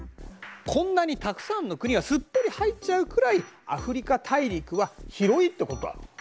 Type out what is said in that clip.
こんなにたくさんの国がすっぽり入っちゃうくらいアフリカ大陸は広いってことだ。